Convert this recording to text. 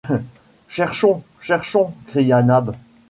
Cherchons ! cherchons ! cria Nab